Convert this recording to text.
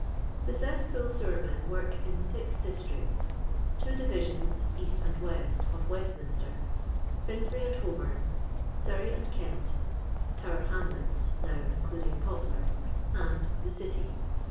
The eesspool sewermen work in six districts. Two divisKms (east and west) <^ Westminster; Finsbury and Holbom; Surrey and Kent; Tower Hamlets (now in eluding Poplar) ; and the City.